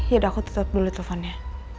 ya udah aku tutup dulu teleponnya